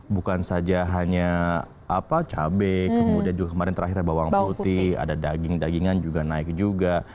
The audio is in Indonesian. bukan saja hanya cabai kemudian juga kemarin terakhirnya bawang putih ada daging dagingan juga naik juga